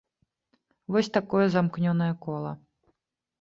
Вось такое замкнёнае кола.